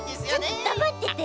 ちょっとだまってて？